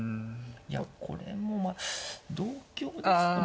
いやこれもまあ同香ですか。